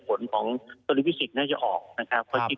ก็ผลของโตลิพิสิกค์น่าจะออกนะครับค่ะคิดก็